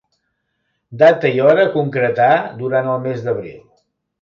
Data i hora a concretar durant el mes d'abril.